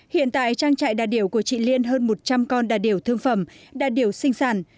hiện tại trang trại đà điểu của chị liên hơn một trăm linh con đà điểu thương phẩm đà điểu sinh sản